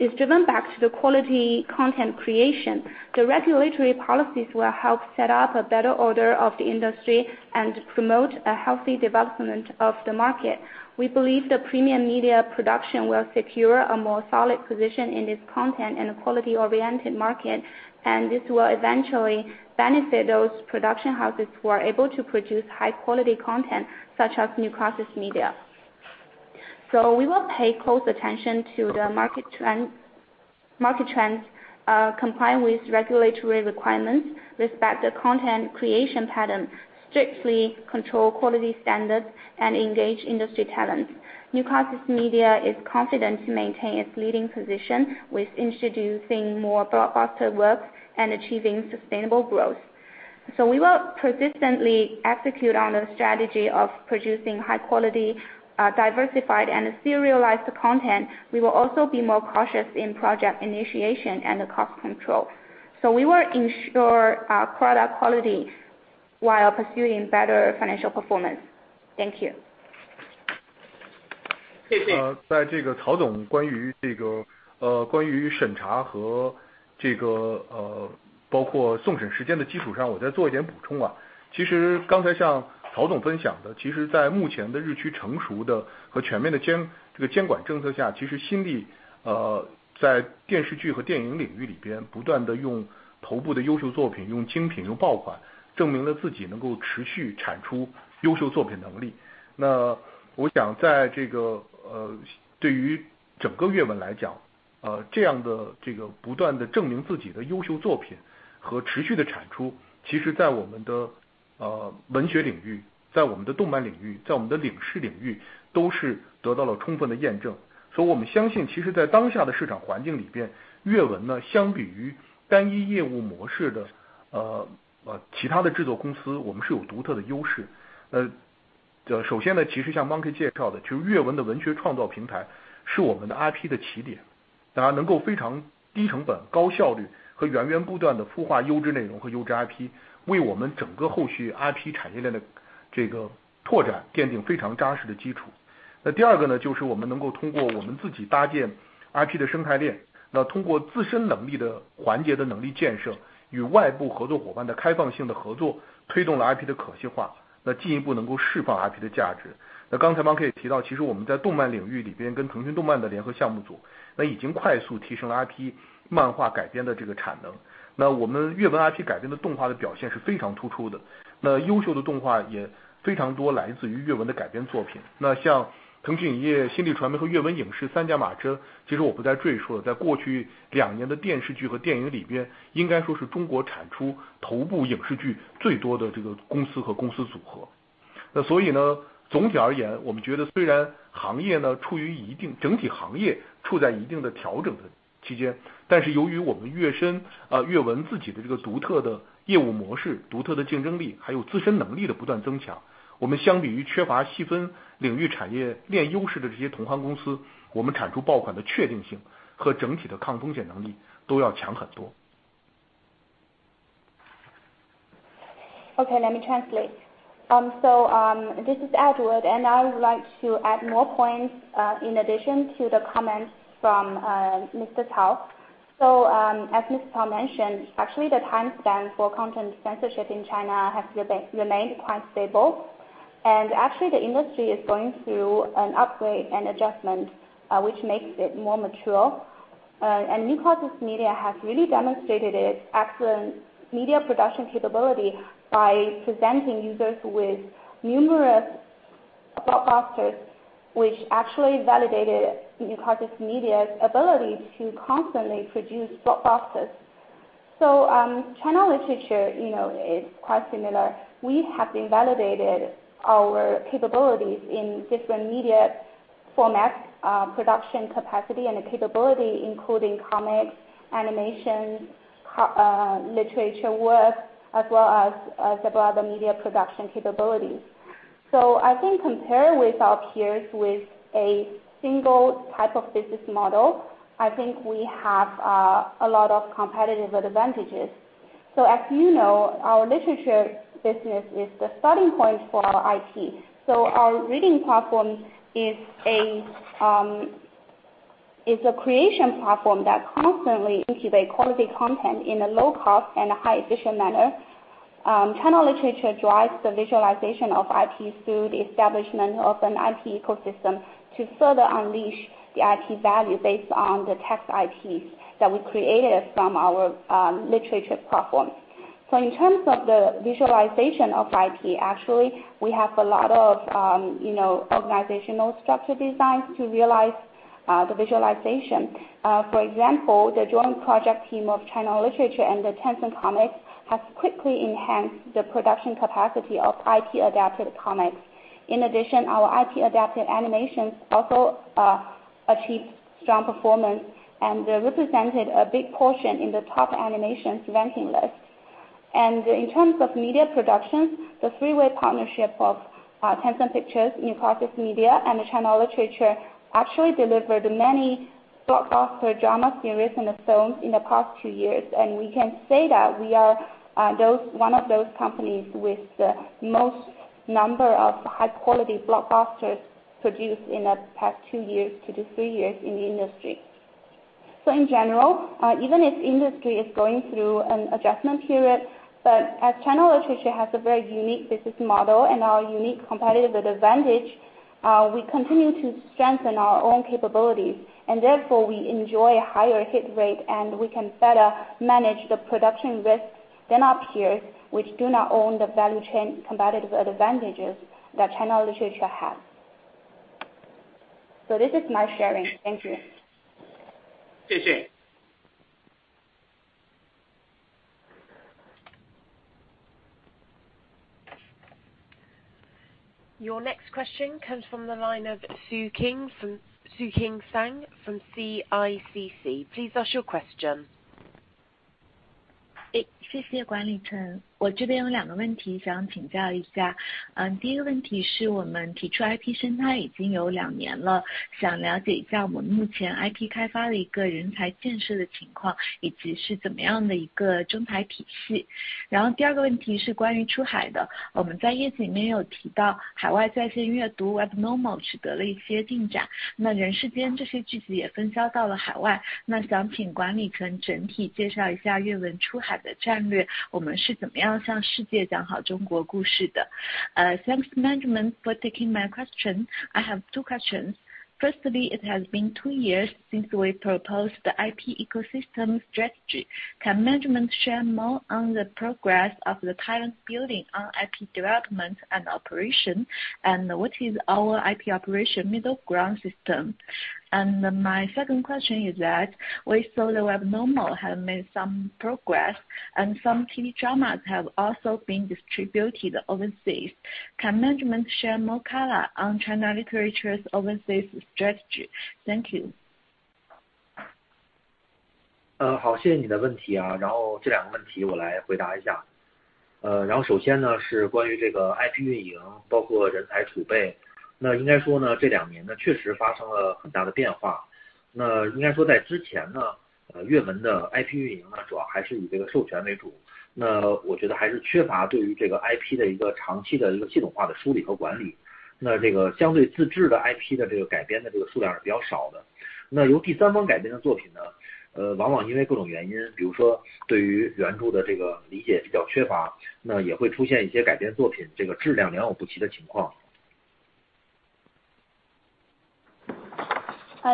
is driven back to the quality content creation. The regulatory policies will help set up a better order of the industry and promote a healthy development of the market. We believe the premium media production will secure a more solid position in this content and quality oriented market, and this will eventually benefit those production houses who are able to produce high quality content such as New Classics Media. We will pay close attention to the market trends, comply with regulatory requirements, respect the content creation pattern, strictly control quality standards, and engage industry talents. New Classics Media is confident to maintain its leading position with introducing more blockbuster works and achieving sustainable growth. We will persistently execute on the strategy of producing high quality, diversified and serialized content. We will also be more cautious in project initiation and cost control, so we will ensure our product quality while pursuing better financial performance. Thank you. 谢谢。在这个曹总关于 Okay, let me translate. This is Edward, and I would like to add more points in addition to the comments from Mr. Cao. As Mr. Cao mentioned, actually the time span for content censorship in China has remained quite stable, and actually the industry is going through an upgrade and adjustment, which makes it more mature. New Classics Media has really demonstrated its excellent media production capability by presenting users with numerous blockbusters, which actually validated New Classics Media's ability to constantly produce blockbusters. China Literature, you know, is quite similar. We have validated our capabilities in different media formats, production capacity and capability, including comics, animation, literature work, as well as other media production capabilities. I think compared with our peers with a single type of business model, I think we have a lot of competitive advantages. As you know, our literature business is the starting point for our IP. Our reading platform is a creation platform that constantly incubate quality content in a low cost and high efficient manner. China Literature drives the visualization of IP through the establishment of an IP ecosystem to further unleash the IP value based on the text IPs that we created from our literature platform. In terms of the visualization of IP, actually we have a lot of organizational structure designs to realize the visualization. For example, the joint project team of China Literature and the Tencent Comics has quickly enhanced the production capacity of IP adapted comics. In addition, our IP adapted animations also achieve strong performance and represented a big portion in the top animations ranking list. In terms of media productions, the three-way partnership of Tencent Pictures, New Classics Media, and the China Literature actually delivered many blockbuster drama series and films in the past few years. We can say that we are one of those companies with the most number of high quality blockbusters produced in the past two to three years in the industry. In general, even if the industry is going through an adjustment period, but as China Literature has a very unique business model and our unique competitive advantage, we continue to strengthen our own capabilities, and therefore we enjoy a higher hit rate, and we can better manage the production risks than our peers, which do not own the value chain competitive advantages that China Literature has. This is my sharing. Thank you. 谢谢。Your next question comes from the line of Xueqing Zhang from CICC. Please ask your question. I have two questions. Firstly, it has been two years since we proposed the IP ecosystem strategy. Can management share more on the progress of the talent building on IP development and operation, and what is our IP operation middle ground system? My second question is that we saw the Webnovel have made some progress and some TV dramas have also been distributed overseas. Can management share more color on China Literature's overseas strategy? Thank you.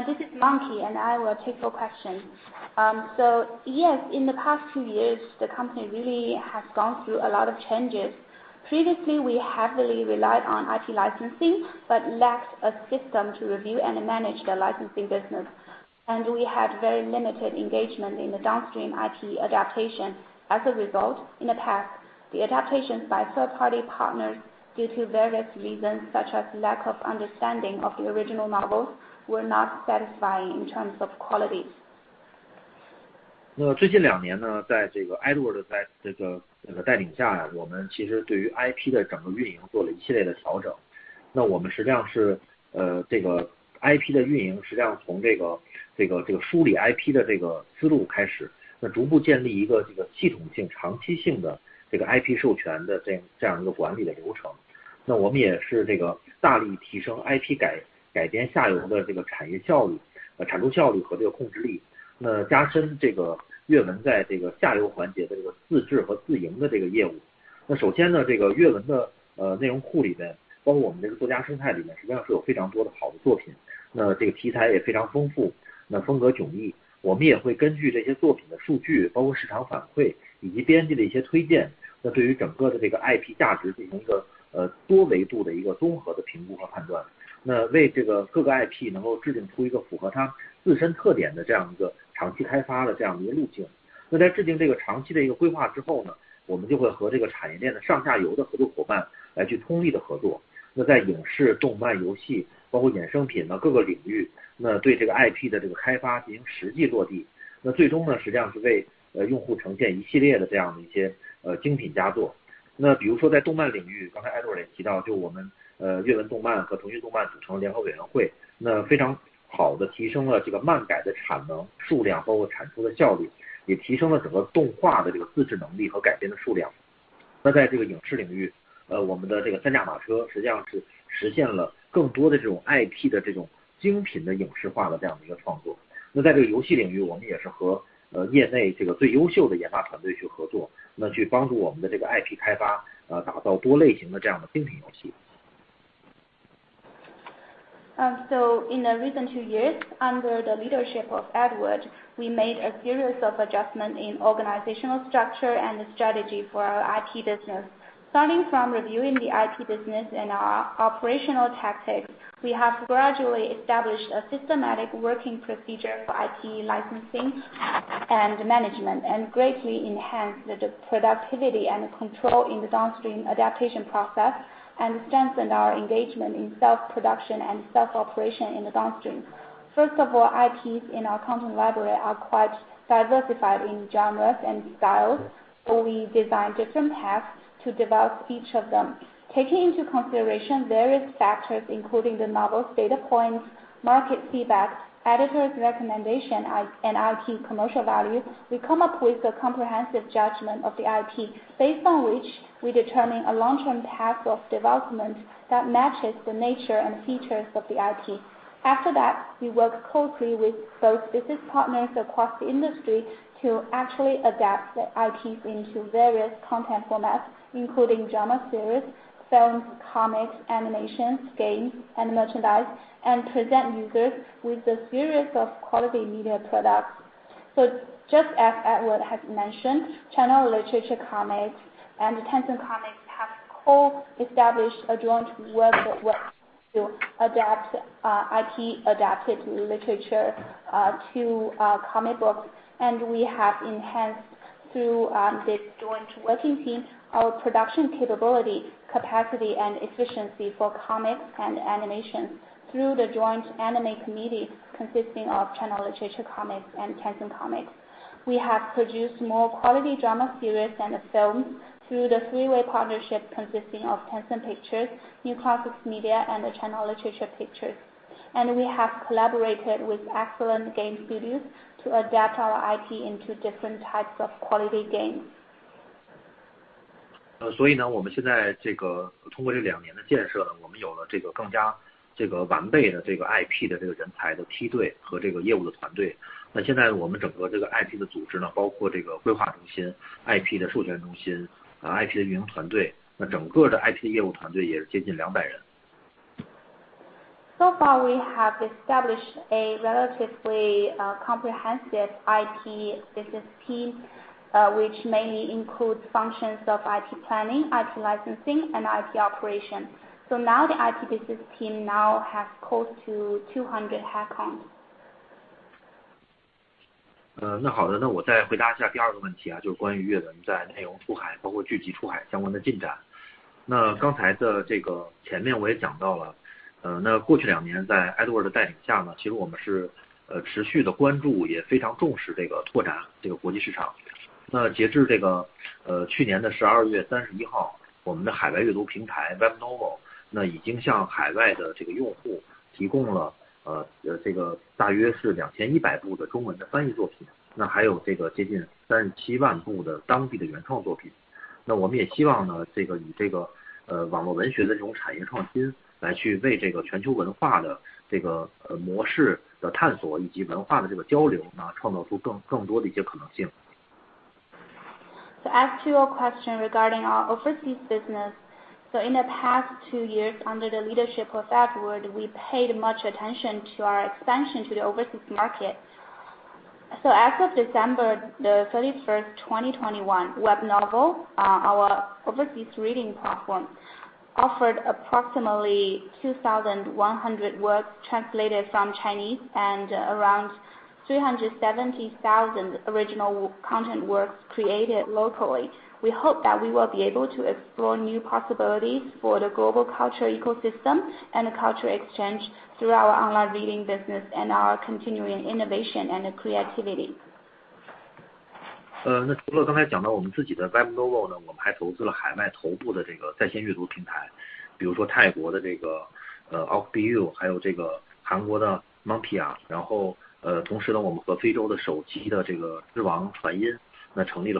This is Monkey, and I will take your question. So yes, in the past two years, the company really has gone through a lot of changes. Previously, we heavily relied on IP licensing, but lacked a system to review and manage the licensing business. We had very limited engagement in the downstream IP adaptation. As a result, in the past, the adaptations by third-party partners, due to various reasons, such as lack of understanding of the original novels, were not satisfying in terms of quality. In the recent two years, under the leadership of Edward, we made a series of adjustment in organizational structure and strategy for our IP business. Starting from reviewing the IP business and our operational tactics, we have gradually established a systematic working procedure for IP licensing and management, and greatly enhanced the productivity and control in the downstream adaptation process, and strengthened our engagement in self-production and self-operation in the downstream. First of all, IPs in our content library are quite diversified in genres and styles, so we design different paths to develop each of them. Taking into consideration various factors including the novel's data points, market feedback, editors recommendation, and IP commercial value, we come up with a comprehensive judgment of the IP, based on which we determine a long-term path of development that matches the nature and features of the IP. After that, we work closely with both business partners across the industry to actually adapt the IPs into various content formats, including drama series, films, comics, animations, games, and merchandise, and present users with a series of quality media products. Just as Edward has mentioned, China Literature Comics and Tencent Comics have co-established a joint work group to adapt IP adapted literature to comic books, and we have enhanced through this joint working team our production capability, capacity and efficiency for comics and animation. Through the joint anime committee consisting of China Literature Comics and Tencent Comics, we have produced more quality drama series and films through the three-way partnership consisting of Tencent Pictures, New Classics Media, and the Tencent Penguin Pictures. We have collaborated with excellent game studios to adapt our IP into different types of quality games. 所以呢，我们现在通过这两年的建设呢，我们有了更加完备的IP的人才梯队和业务团队。那现在我们整个IP的组织呢，包括规划中心、IP的授权中心、IP的运营团队，整个的IP业务团队也接近两百人。So far, we have established a relatively comprehensive IP business team, which mainly includes functions of IP planning, IP licensing, and IP operation. Now the IP business team has close to 200 headcounts. 那好的，那我再回答一下第二个问题，就是关于阅文在内容出海，包括剧集出海相关的进展。那刚才前面我也讲到了，那过去两年在Edward的带领下，其实我们是持续地关注，也非常重视拓展这个国际市场。那截至去年的十二月三十一号，我们的海外阅读平台Webnovel那已经向海外的用户提供了大约是两千一百部的中文的翻译作品，那还有接近三十七万部的当地的原创作品。那我们也希望，以网络文学的这种产业创新来为全球文化的模式探索以及文化的交流，创造出更多的一些可能性。To answer your question regarding our overseas business. In the past two years, under the leadership of Edward, we paid much attention to our expansion to the overseas market. As of December 31st, 2021, Webnovel, our overseas reading platform, offered approximately 2,100 works translated from Chinese, and around 370,000 original content works created locally. We hope that we will be able to explore new possibilities for the global cultural ecosystem and the cultural exchange through our online reading business and our continuing innovation and creativity. 除了刚才讲的我们自己的Webnovel，我们还投资了海外头部的在线阅读平台，比如说泰国的Ookbee，还有韩国的Munpia。同时，我们和非洲的手机之王Transsion成立了合资公司来推广在非洲的阅读市场。此外，我们还跟新加坡电信建立了新加坡网络文学的业务合作。In addition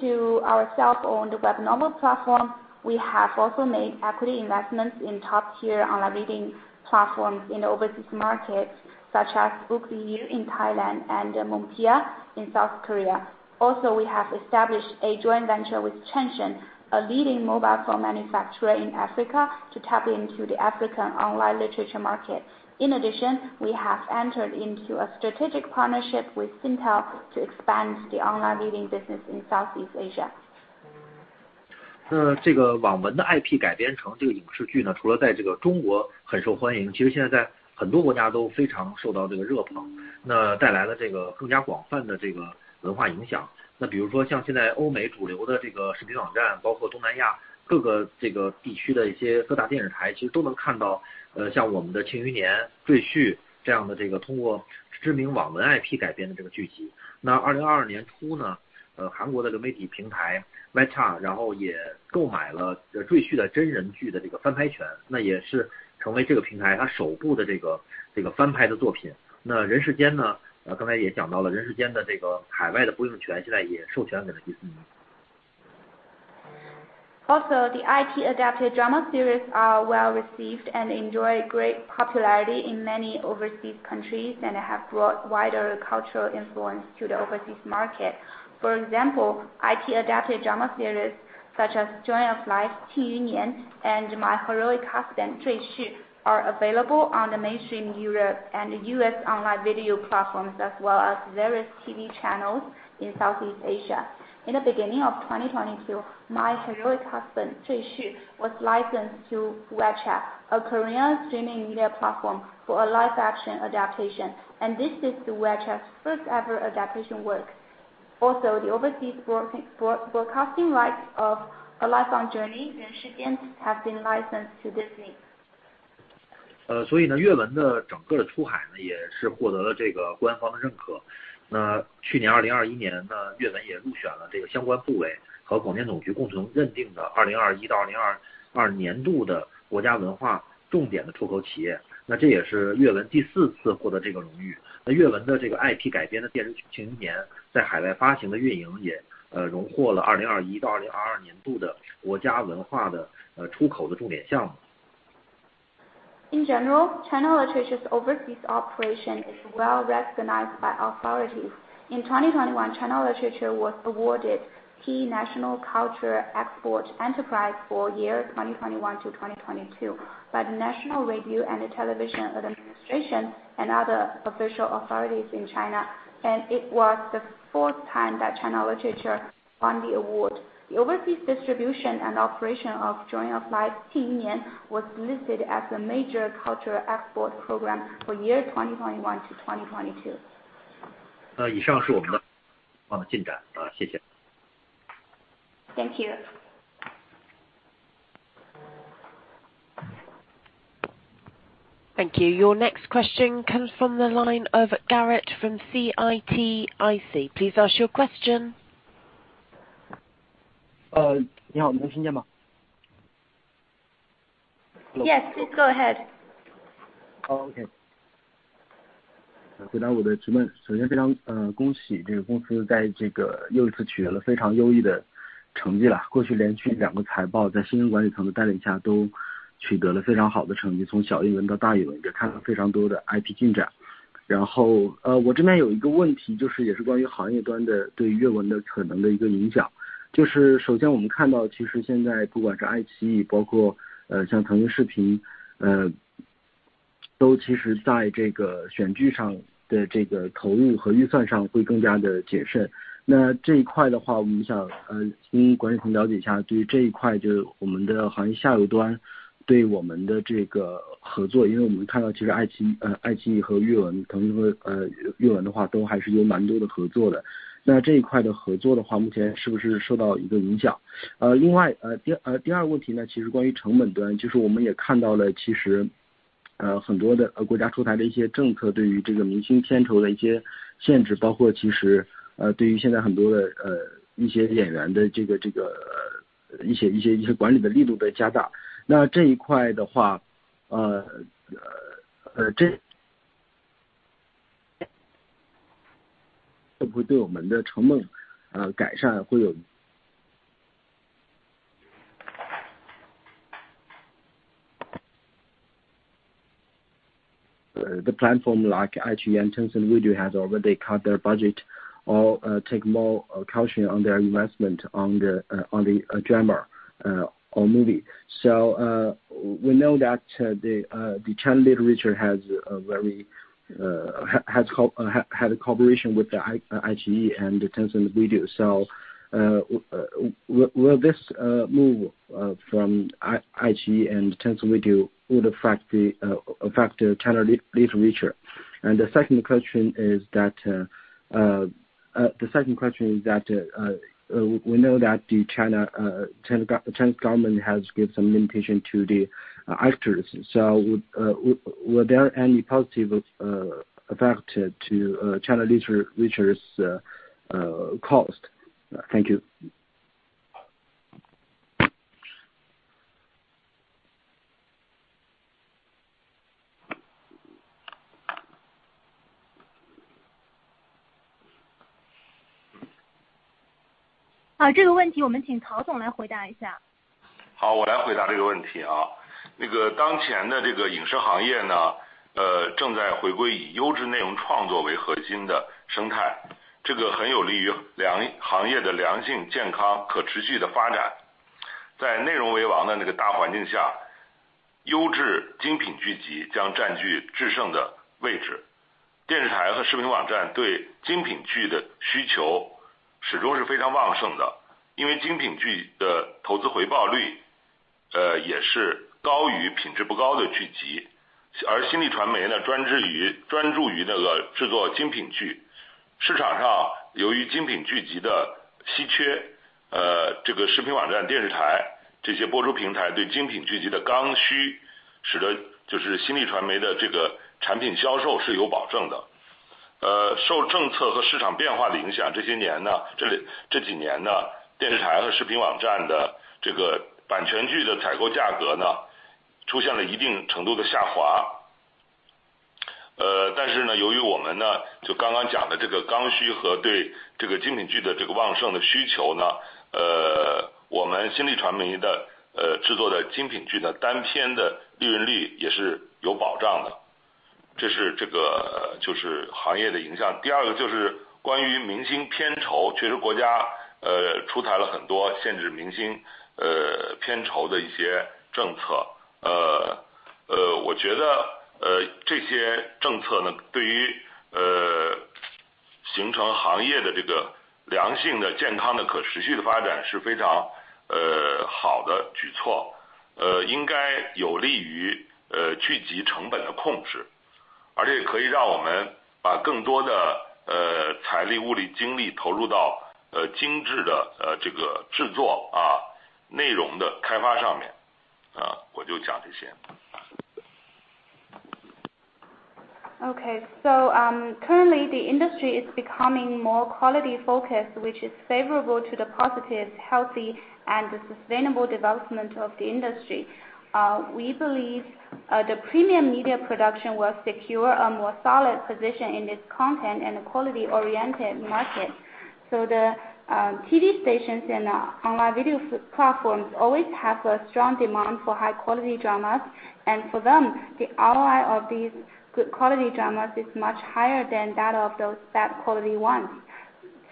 to our self-owned Webnovel platform, we have also made equity investments in top-tier online reading platforms in overseas markets such as Ookbee in Thailand, and Munpia in South Korea. Also, we have established a joint venture with Transsion, a leading mobile phone manufacturer in Africa, to tap into the African online literature market. In addition, we have entered into a strategic partnership with Singtel to expand the online reading business in Southeast Asia. 这个网文的IP改编成这个影视剧呢，除了在这个中国很受欢迎，其实现在在很多国家都非常受到这个热捧，那带来了这个更加广泛的这个文化影响。那比如说像现在欧美主流的这个视频网站，包括东南亚各个这个地区的一些各大电视台，其实都能看到，像我们的《庆余年》、《赘婿》这样的这个通过知名网文IP改编的这个剧集。那2022年初呢，韩国的这个媒体平台Watcha，然后也购买了《赘婿》的真人剧的这个翻拍权，那也是成为这个平台它首部的这个翻拍的作品。那《人世间》呢，刚才也讲到了《人世间》的这个海外的播映权现在也授权给了Disney。The IP adapted drama series are well received and enjoy great popularity in many overseas countries and have brought wider cultural influence to the overseas market. For example, IP adapted drama series such as "Joy of Life"《庆余年》and "My Heroic Husband"《赘婿》are available on the mainstream European and U.S. online video platforms as well as various TV channels in Southeast Asia. In the beginning of 2022, "My Heroic Husband"《赘婿》was licensed to Watcha, a Korean streaming media platform, for a live action adaptation, and this is Watcha's first ever adaptation work. The overseas broadcasting rights of "A Lifelong Journey"《人世间》have been licensed to Disney. In general, China Literature's overseas operation is well recognized by authorities. In 2021, China Literature was awarded Key National Cultural Export Enterprise for 2021-2022 by the National Radio and Television Administration and other official authorities in China, and it was the fourth time that China Literature won the award. The overseas distribution and operation of "Joy of Life"《庆余年》was listed as a major cultural export program for 2021-2022. 以上是我们的进展，谢谢。Thank you. Thank you. Your next question comes from the line of Garrett from CITIC. Please ask your question. 你好，能听见吗？ Yes, please go ahead. 会不会对我们的成本，改善会有... The platform like iQIYI and Tencent Video has already cut their budget or take more caution on their investment on the on the drama or movie. We know that the China Literature has had a collaboration with the iQIYI and the Tencent Video. Will this move from iQIYI and Tencent Video affect China Literature? The second question is that we know that the Chinese government has give some limitation to the actors, so were there any positive effect to China Literature's cost? Thank you. 这个问题我们请曹总来回答一下。Okay, currently the industry is becoming more quality-focused, which is favorable to the positive, healthy and sustainable development of the industry. We believe the premium media productions will secure a more solid position in this content- and quality-oriented market. The TV stations and online video platforms always have a strong demand for high-quality dramas. For them, the ROI of these good quality dramas is much higher than that of those bad quality ones.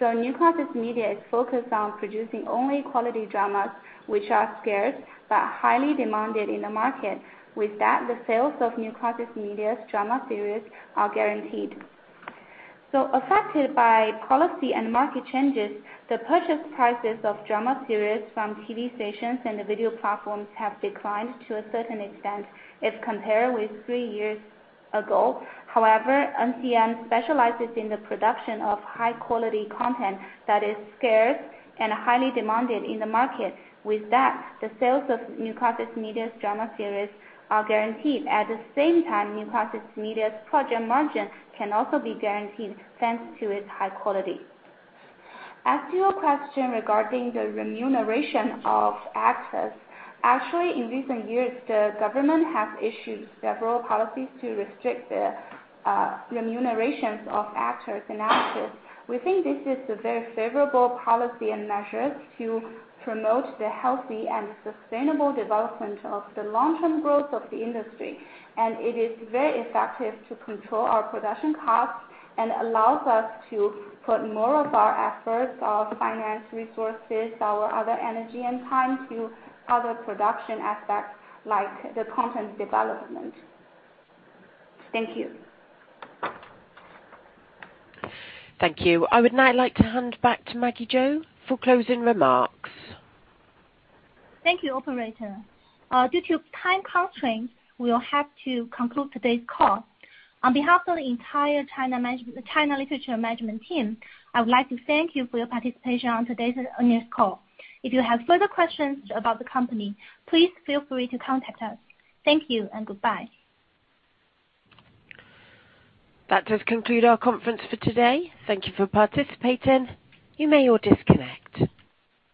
New Classics Media is focused on producing only quality dramas which are scarce but highly demanded in the market. With that, the sales of New Classics Media's drama series are guaranteed. Affected by policy and market changes, the purchase prices of drama series from TV stations and the video platforms have declined to a certain extent if compared with three years ago. However, NCM specializes in the production of high quality content that is scarce and highly demanded in the market. With that, the sales of New Classics Media's drama series are guaranteed. At the same time, New Classics Media's project margin can also be guaranteed, thanks to its high quality. As to your question regarding the remuneration of actors, actually, in recent years, the government has issued several policies to restrict the remunerations of actors and actresses. We think this is a very favorable policy and measures to promote the healthy and sustainable development of the long term growth of the industry. It is very effective to control our production costs and allows us to put more of our efforts, our financial resources, our other energy and time to other production aspects like the content development. Thank you. Thank you. I would now like to hand back to Maggie Zhou for closing remarks. Thank you, operator. Due to time constraints, we will have to conclude today's call. On behalf of the entire China Literature management team, I would like to thank you for your participation on today's earnings call. If you have further questions about the company, please feel free to contact us. Thank you and goodbye. That does conclude our conference for today. Thank you for participating, you may all disconnect.